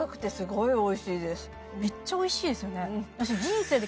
めっちゃおいしいですよね